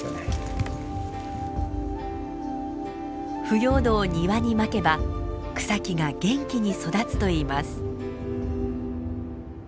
腐葉土を庭に撒けば草木が元気に育つといいます。